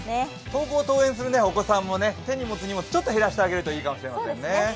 登校・登園するお子さんも手に持つ荷物、ちょっと減らしてあげるといいですね。